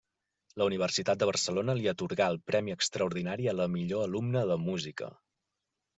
La Universitat de Barcelona li atorgà el Premi Extraordinari a la Millor Alumna de Música.